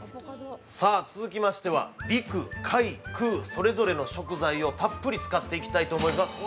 ◆さあ、続きましては陸・海・空、それぞれの食材をたっぷり使っていきたいと思います。